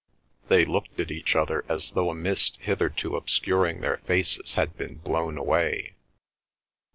They looked at each other as though a mist hitherto obscuring their faces had been blown away.